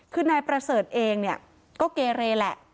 คือนายประเสริฐเองเนี่ยก็เกเรแหละ